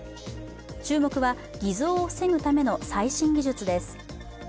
注目は偽造を防ぐための最新技術です。